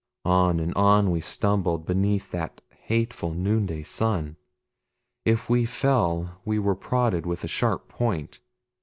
On and on we stumbled beneath that hateful noonday sun. If we fell we were prodded with a sharp point.